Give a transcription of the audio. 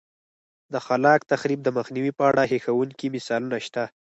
د خلاق تخریب د مخنیوي په اړه هیښوونکي مثالونه شته